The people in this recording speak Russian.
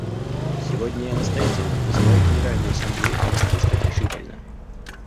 Сегодня я настоятельно призываю Генеральную Ассамблею также действовать решительно.